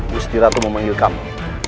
gusti ratu memanggil kamu